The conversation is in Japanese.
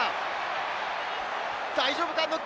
大丈夫か？